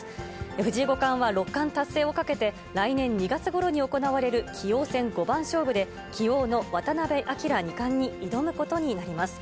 藤井五冠は六冠達成をかけて、来年２月ごろに行われる棋王戦五番勝負で、棋王の渡辺明二冠に挑むことになります。